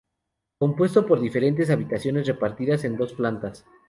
Compuesto por diferentes habitaciones repartidas en dos plantas.